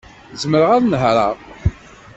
Zemreɣ ad nehṛeɣ.